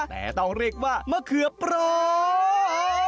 แต่ต้องเรียกว่ามะเขือปร้อย